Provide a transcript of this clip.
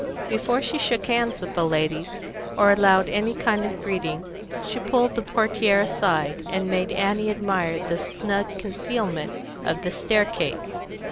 Before she shook hands with the ladies, or allowed any kind of greeting, she pulled the portière aside, and made Annie admire the snug concealment of the staircase.